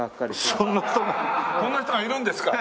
そんな人がいるんですか？